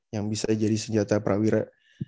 yang bisa jadi senjata prawira